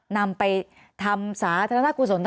นำไปทำสาธารณกุศล